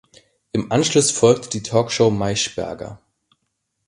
Im Anschluss folgte die Talkshow maischberger.